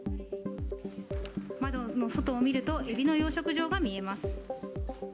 窓の外を見ると、エビの養殖場が見えます。